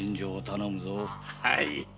はい。